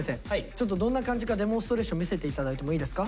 ちょっとどんな感じかデモンストレーション見せていただいてもいいですか？